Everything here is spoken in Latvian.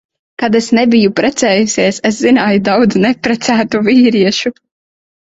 Kad es nebiju precējusies, es zināju daudz neprecētu vīriešu.